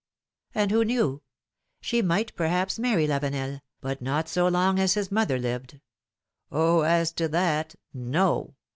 And who knew? She might, perhaps, marry Lavenel, but not so long as his mother lived ; oh ! as to that, no